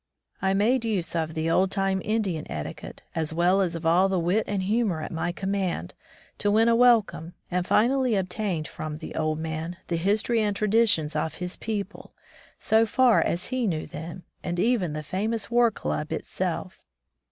I made use of the old time Indian etiquette, as well as of all the wit and humor at my command, to win a wel 171 From the Deep Woods to Civilization come, and finally obtained from the old man the history and traditions of his people, so far as he knew them, and even the famous war club itself